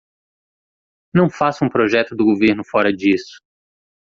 Não faça um projeto do governo fora disso!